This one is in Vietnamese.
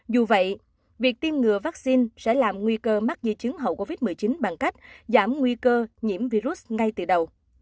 dù vậy việc tiêm ngừa vaccine sẽ làm nguy cơ mắc di chứng hậu covid một mươi chín bằng cách giảm nguy cơ nhiễm virus ngay từ đầu